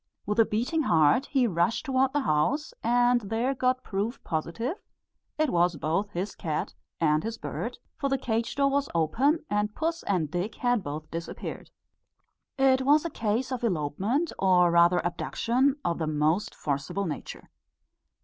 With a beating heart he rushed towards the house, and there got proof positive it was both his cat and his bird; for the cage door was open, and puss and Dick had both disappeared. It was a case of elopement, or rather abduction of the most forcible nature.